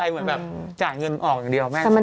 เหมือนแบบจ่ายเงินออกอย่างเดียวแม่